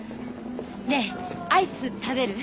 麗アイス食べる？